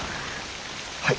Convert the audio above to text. はい。